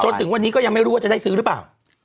จนถึงวันนี้ก็ยังไม่รู้ว่าจะได้ซื้อหรือเปล่า